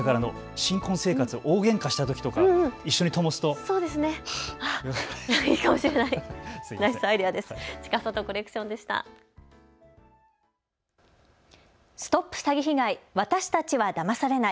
新婚生活、大げんかしたときとか一緒にともすといいかもしれない。